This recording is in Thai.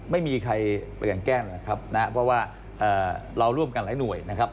ไม่มีใครเปลี่ยนแกล้งนะครับนะเพราะว่าเราร่วมกันหลายหน่วยนะครับ